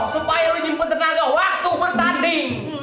supaya lu simpen tenaga waktu bertanding